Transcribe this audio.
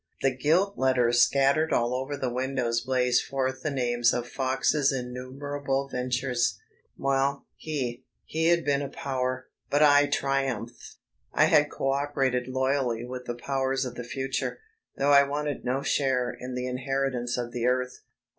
The gilt letters scattered all over the windows blazed forth the names of Fox's innumerable ventures. Well, he ... he had been a power, but I triumphed. I had co operated loyally with the powers of the future, though I wanted no share in the inheritance of the earth.